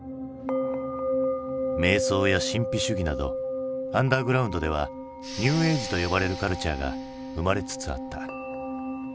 めい想や神秘主義などアンダーグラウンドではニューエイジと呼ばれるカルチャーが生まれつつあった。